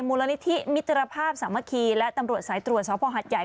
มูลนิธิมิตรภาพสามัคคีและตำรวจสายตรวจสอบพ่อหัดใหญ่